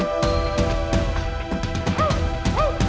โชว์